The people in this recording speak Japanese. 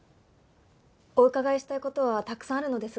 お伺いしたい事はたくさんあるのですが。